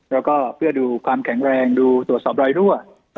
แล้วก็เพื่อดูความแข็งแรงดูตรวจสอบรอยรั่ว